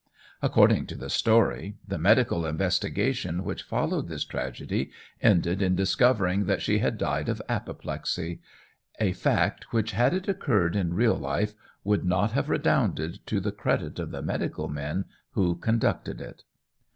According to the story, the medical investigation which followed this tragedy ended in discovering that she had died of apoplexy; a fact which had it occurred in real life would not have redounded to the credit of the medical men who conducted it.